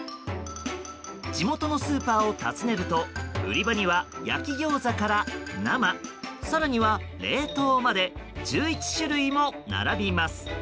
地元のスーパーを訪ねると売り場には焼きギョーザから、生更には冷凍まで１１種類も並びます。